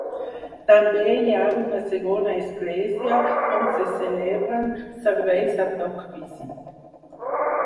També hi ha una segona església on se celebren serveis a Tok Pisin.